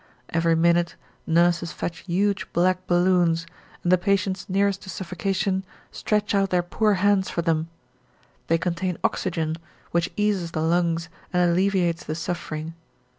Every minute nurses fetch huge black balloons, and the patients nearest to suffocation stretch out their poor hands for them; they contain oxygen, which eases the lungs and alleviates the suffering.